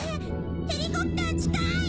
ヘリコプター近い。